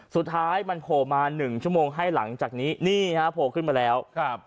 สุดท้ายมันโผล่มาหนึ่งชั่วโมงให้หลังจากนี้นี่ฮะโผล่ขึ้นมาแล้วครับ